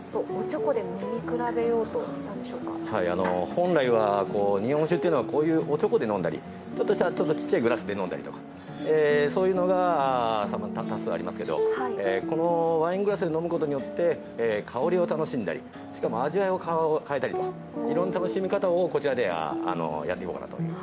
本来は日本酒っていうのはこういうおちょこで飲んだりちょっとしたちょっとちっちゃいグラスで飲んだりとかそういうのが多数ありますけどこのワイングラスで飲むことによって香りを楽しんだりしかも味わいを変えたりといろんな楽しみ方をこちらではやっていこうかなという。